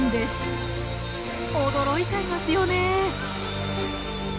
驚いちゃいますよね。